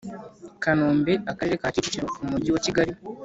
Kanombe Akarere ka Kicukiro Umujyi wa kigali